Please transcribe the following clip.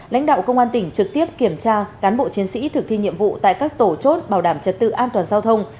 lãnh đạo công an tỉnh trực tiếp kiểm tra cán bộ chiến sĩ thực thi nhiệm vụ tại các tổ chốt bảo đảm trật tự an toàn giao thông